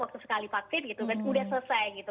waktu sekali vaksin gitu kan udah selesai gitu